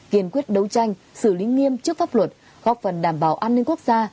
kiên quyết đấu tranh xử lý nghiêm trước pháp luật góp phần đảm bảo an ninh quốc gia